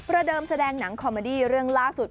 ระเดิมแสดงหนังคอมเมอดี้เรื่องล่าสุด